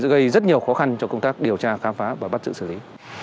gây rất nhiều khó khăn cho công tác điều tra khám phá và bắt giữ xử lý